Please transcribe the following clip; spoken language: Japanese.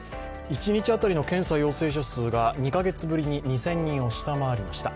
一日当たりの検査陽性者数が２カ月ぶりに２０００人を下回りました